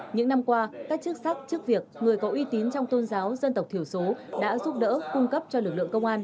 những năm qua các chức sắc chức việc người có uy tín trong tôn giáo dân tộc thiểu số đã giúp đỡ cung cấp cho lực lượng công an